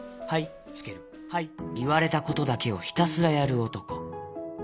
いわれたことだけをひたすらやるおとこ。